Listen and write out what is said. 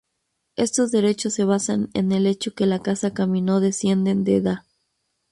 Estos derechos se basan en el hecho que la casa Camino descienden de Da.